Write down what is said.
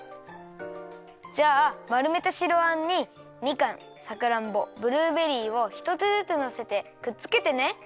じゃあまるめた白あんにみかんさくらんぼブルーベリーをひとつずつのせてくっつけてね。